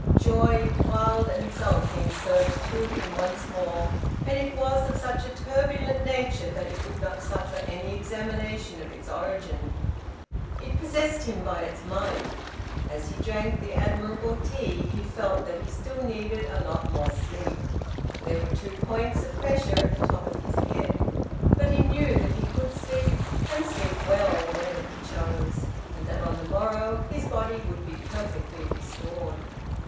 Joy, wild and exulting, surged through him once more; and it was of such a turbulent nature that it would not suffer any examination of its origin. It possessed him by its might. As he drank the admirable tea he felt that he still needed a lot more sleep. There were two points of pressure at the top of his head. But he knew that he could sleep, and sleep well, whenever he chose; and that on the morrow his body would be perfectly restored.